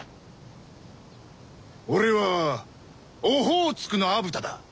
俺はオホーツクの虻田だ。